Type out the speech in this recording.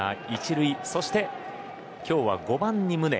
１塁そして、今日は５番に宗